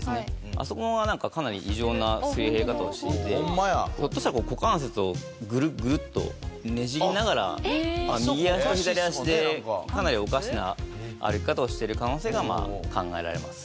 あそこがなんかかなり異常なすり減り方をしていてひょっとしたら股関節をぐるっぐるっとねじりながら右足と左足でかなりおかしな歩き方をしてる可能性が考えられます。